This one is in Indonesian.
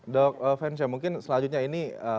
dok fensyah mungkin selanjutnya ini